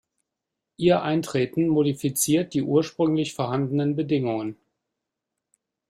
Ihr Eintreten modifiziert die ursprünglich vorhandenen Bedingungen.